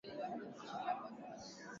Mlima huu una nyani wengi